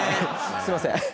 すいません。